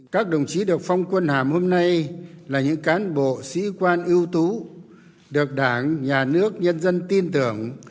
các đồng chí được phong quân hàm hôm nay là những cán bộ sĩ quan ưu tú được đảng nhà nước nhân dân tin tưởng